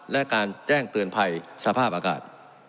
และการแจ้งเตือนภัยสภาพอากาศ